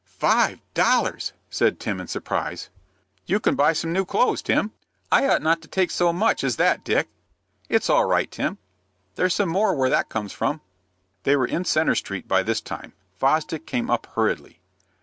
"Five dollars!" said Tim, in surprise. "You can buy some new clothes, Tim." "I ought not to take so much as that, Dick." "It's all right, Tim. There's some more where that comes from." They were in Centre Street by this time. Fosdick came up hurriedly.